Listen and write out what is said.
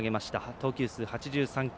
投球数８３球。